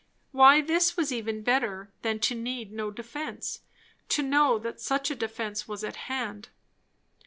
Why this was even better than to need no defence, to know that such defence was at hand.